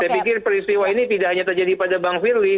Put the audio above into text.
saya pikir peristiwa ini tidak hanya terjadi pada bang firly